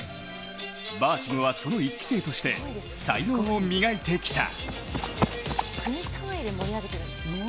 バーシムはその１期生として才能を磨いてきた。